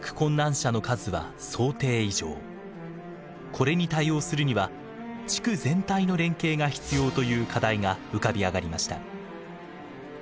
これに対応するには地区全体の連携が必要という課題が浮かび上がりました。